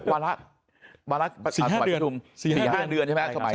วันละประชุม๔๕เดือนใช่ไหมสมัยหนึ่ง